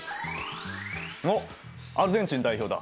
おっアルゼンチン代表だ。